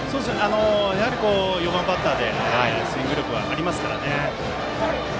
４番バッターでスイング力はありますからね。